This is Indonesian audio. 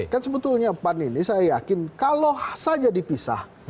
kan sebetulnya pan ini saya yakin kalau saja dipisah